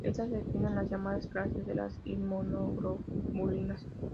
Estas definen las llamadas "clases" de las inmunoglobulinas.